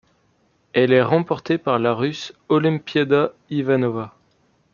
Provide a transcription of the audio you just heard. Elle est remportée par la Russe Olimpiada Ivanova.